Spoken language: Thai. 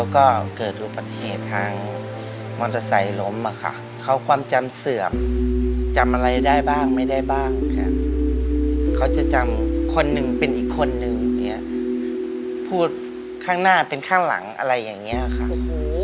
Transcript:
ขอทำสักคำอย่างขุนของทุ่งกระจบทองไอ้มีทรง